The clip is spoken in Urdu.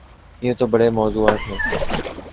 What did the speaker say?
یہ تو بڑے موضوعات ہیں۔